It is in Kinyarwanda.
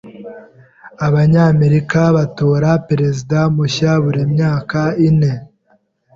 Abanyamerika batora perezida mushya buri myaka ine.